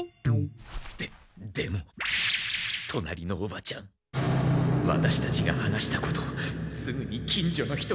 でっでも隣のおばちゃんワタシたちが話したことすぐに近所の人にしゃべるから。